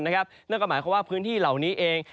นั่นก็หมายความว่าพื้นที่เหล่านี้เอง